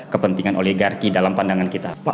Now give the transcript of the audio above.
kepentingan oligarki dalam pandangan kita